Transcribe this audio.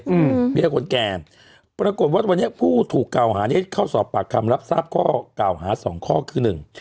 อืมเบี้ยคนแก่ปรากฏว่าตอนเนี้ยผู้ถูกเก่าหานี้เข้าสอบปรับคำรับทราบข้อเก่าหาสองข้อคือหนึ่ง